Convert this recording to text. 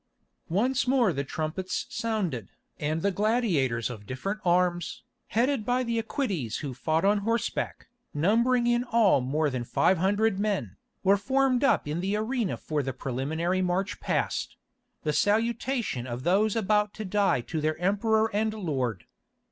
Once more the trumpets sounded, and the gladiators of different arms, headed by the equites who fought on horseback, numbering in all more than five hundred men, were formed up in the arena for the preliminary march past—the salutation of those about to die to their emperor and lord.